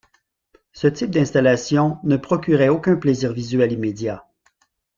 Ce type d'installation ne procurait aucun plaisir visuel immédiat.